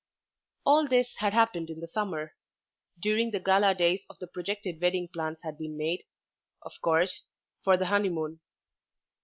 All this had happened in the summer. During the gala days of the projected wedding plans had been made, of course, for the honeymoon.